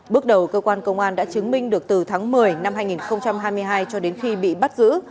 bước đầu cơ quan công an đã chứng minh được từ tháng một mươi năm hai nghìn hai mươi hai cho đến khi bị bắt giữ